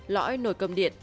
lõi nổi cầm điện